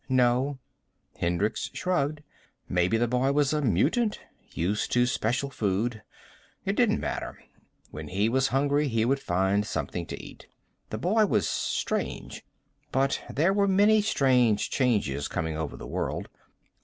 "No." Hendricks shrugged. Maybe the boy was a mutant, used to special food. It didn't matter. When he was hungry he would find something to eat. The boy was strange. But there were many strange changes coming over the world.